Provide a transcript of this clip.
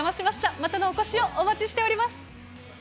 またのお越しをお待ちしております。